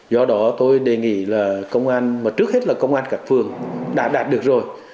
do đó tôi đề nghị là công an mà trước hết là công an các phường đã đạt được rồi